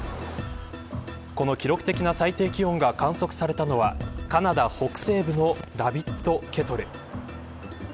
この記録的な最低気温が観測されたのはカナダ北西部のラビット・ケトル。